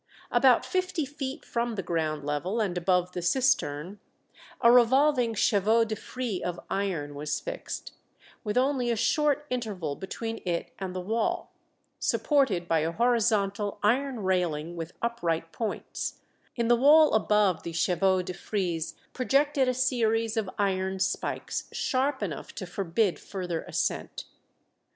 About fifty feet from the ground level, and above the cistern, a revolving chevaux de frise of iron was fixed, with only a short interval between it and the wall, supported by a horizontal iron railing with upright points; in the wall above the chevaux de frise projected a series of iron spikes sharp enough to forbid further ascent.